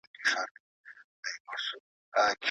هغوی په ډېر اخلاص سره د وطن خدمت کوي.